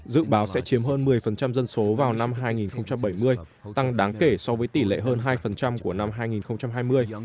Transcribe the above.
dự báo sẽ chiếm hơn một mươi dân số vào năm hai nghìn bảy mươi tăng đáng kể so với tỷ lệ hơn hai của năm hai nghìn hai mươi